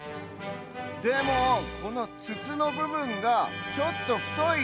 でもこのつつのぶぶんがちょっとふとい？